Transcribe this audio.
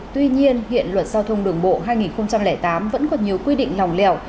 tuy nhiên hiện luật giao thông đường bộ hai nghìn tám vẫn còn nhiều quy định lòng lẻo